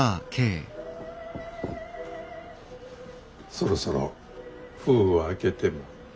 そろそろ封を開けても？